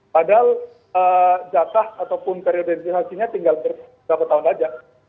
padahal jatah ataupun karir berhasilnya tinggal berapa tahun saja